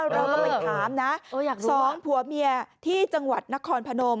เราก็ไปถามนะสองผัวเมียที่จังหวัดนครพนม